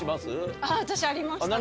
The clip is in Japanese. あぁ私ありましたね。